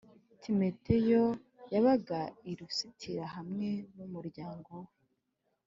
Timoteyo yabaga i Lusitira hamwe n umuryango we